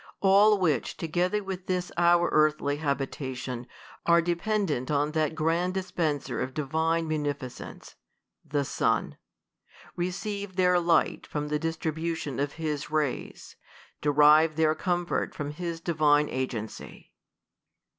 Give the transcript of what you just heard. All which, together with this our earthly habitation, arc dependant on that grand dis penser of divine munificence, the sun ; receive their light from the distribution of his ra} s : derive their comfort from his divine agency.